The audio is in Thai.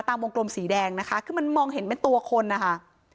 วงกลมสีแดงนะคะคือมันมองเห็นเป็นตัวคนนะคะ